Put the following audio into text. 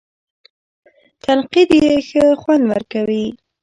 تنقید یې ښه خوند ورکوي.